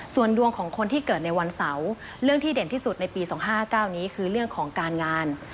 ส่วนดวงของคนที่เกิดในวันเสาร์เรื่องที่เด่นที่สุดในปี๒๕๙นี้คือเรื่องของการงาน